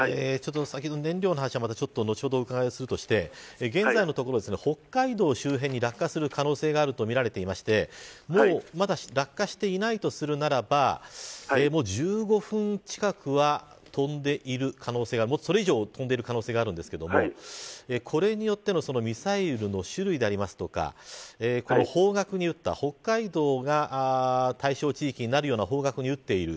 燃料の話は、後ほど伺うとして現在のところ北海道周辺に落下する可能性があるとみられていてまだ落下していないとするならばもう１５分近くは飛んでいる可能性それ以上飛んでいる可能性があるんですけど、これによってミサイルの種類であるとか方角に撃った北海道が対象地域になるような方角に撃っている。